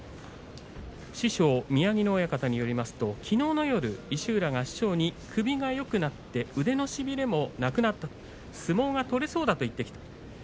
師匠の宮城野親方によりますときのうの夜、石浦が師匠に首がよくなって腕のしびれもなくなった相撲が取れそうだと言ってきた。